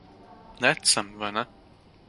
Neticami, vai ne?